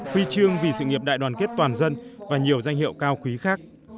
huy chương vì sự nghiệp đại đoàn kết toàn dân và nhiều danh hiệu cao quý khác